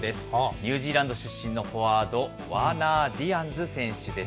ニュージーランド出身のフォワード、ワーナー・ディアンズ選手です。